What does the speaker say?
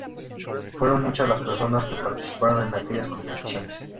Fueron muchas las personas que participaron en aquellas competiciones.